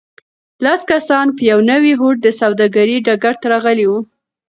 لس کسان په یوه نوي هوډ د سوداګرۍ ډګر ته راغلي وو.